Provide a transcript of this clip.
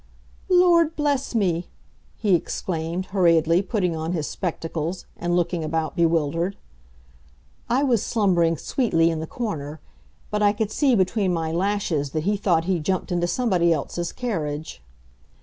"Lord bless me!" he exclaimed, hurriedly putting on his spectacles, and looking about bewildered. I was slumbering sweetly in the corner, but I could see between my lashes that he thought he'd jumped into somebody else's carriage.